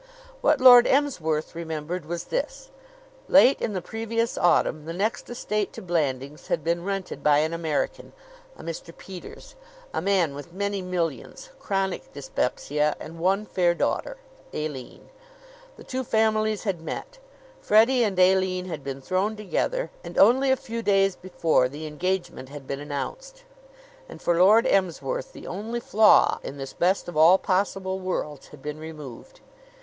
What Lord Emsworth remembered was this: Late in the previous autumn the next estate to Blandings had been rented by an American, a Mr. Peters a man with many millions, chronic dyspepsia, and one fair daughter Aline. The two families had met. Freddie and Aline had been thrown together; and, only a few days before, the engagement had been announced. And for Lord Emsworth the only flaw in this best of all possible worlds had been removed.